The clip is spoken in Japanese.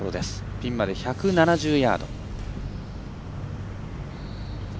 ピンまで１７０ヤード。